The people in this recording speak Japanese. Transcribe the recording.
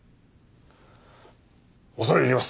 恐れ入ります！